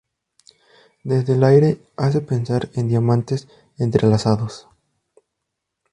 Desde el aire hace pensar en diamantes entrelazados.